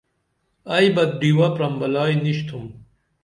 ائی بہ ڈیوہ پرمبَلائی نِشِتُھم